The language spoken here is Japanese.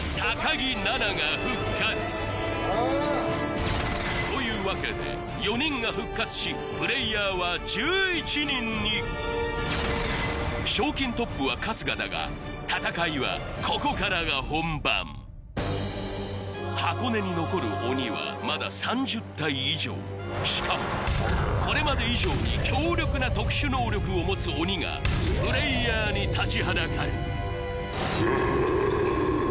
木菜那が復活というわけで４人が復活しプレイヤーは１１人に賞金トップは春日だが戦いはここからが本番箱根に残る鬼はまだ３０体以上しかもこれまで以上に強力な特殊能力をもつ鬼がプレイヤーに立ちはだかる